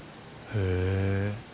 へえ。